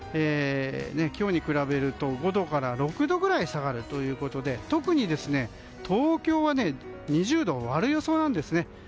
今日に比べると５度から６度くらい下がるということで特に東京は２０度を割る予想なんですね。